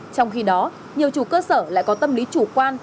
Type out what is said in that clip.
trong khi đó nhiều chủ cơ sở lại có tâm lý chủ quan